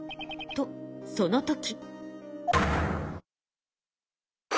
とその時。